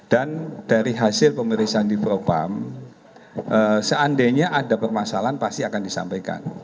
dan dari hasil pemeriksaan div propampori seandainya ada permasalahan pasti akan disampaikan